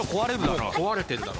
もう壊れてるだろ。